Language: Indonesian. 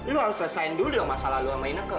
lo harus selesain dulu dong masalah lo sama ineke